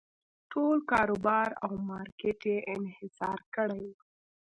ټول کاروبار او مارکېټ یې انحصار کړی و.